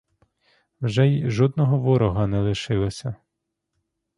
Вже й жодного ворога не лишилося!